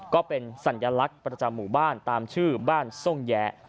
ก็เป็นสัญลักษณ์ประจำหมู่บ้านตามชื่อบ้านทรงแยะ